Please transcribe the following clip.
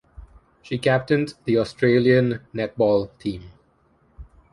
She captained the Australian netball team.